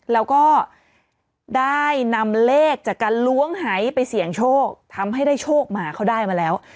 แล้วก็ได้นำเลขจากการล้วงหายไปเสี่ยงโชคทำให้ได้โชคมาเขาได้มาแล้ว